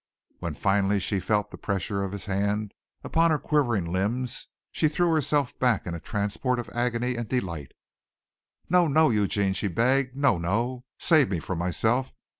When finally she felt the pressure of his hand upon her quivering limbs, she threw herself back in a transport of agony and delight. "No, no, Eugene," she begged. "No, no! Save me from myself.